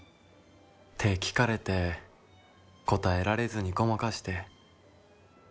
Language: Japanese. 「って聞かれて答えられずにごまかして。